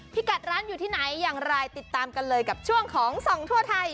พี่กัดร้านอยู่ที่ไหนอย่างไรติดตามกันเลยกับช่วงของส่องทั่วไทย